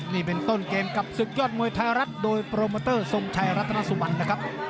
นี่เป็นต้นเกมกับศึกยอดมวยไทยรัฐโดยโปรโมเตอร์ทรงชัยรัฐนาสุบันนะครับ